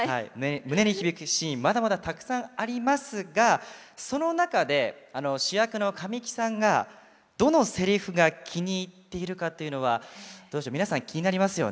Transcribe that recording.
胸に響くシーンまだまだたくさんありますがその中で主役の神木さんがどのセリフが気に入っているかというのは皆さん気になりますよね。